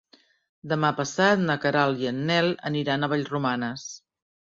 Demà passat na Queralt i en Nel aniran a Vallromanes.